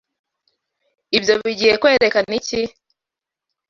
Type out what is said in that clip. Ibyo bigiye kwerekana iki?